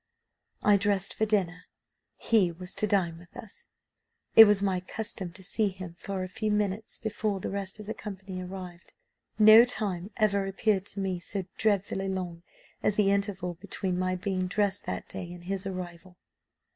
"I dressed for dinner: HE was to dine with us. It was my custom to see him for a few minutes before the rest of the company arrived. No time ever appeared to me so dreadfully long as the interval between my being dressed that day and his arrival.